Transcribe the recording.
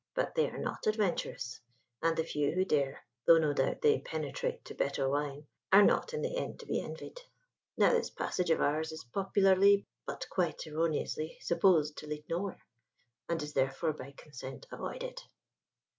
But they are not adventurous: and the few who dare, though no doubt they penetrate to better wine, are not in the end to be envied. ... Now this passage of ours is popularly, but quite erroneously, supposed to lead nowhere, and is therefore by consent avoided."